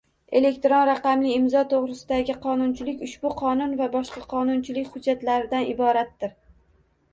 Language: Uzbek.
Elektron raqamli imzo to‘g‘risidagi qonunchilik ushbu Qonun va boshqa qonunchilik hujjatlaridan iboratdir.